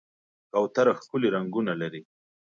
کوتره ښکلي رنګونه لري.